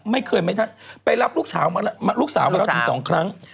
ไม่เคยไปรับลูกสาวมาแล้วลูกสาวไปรับทีสองครั้ง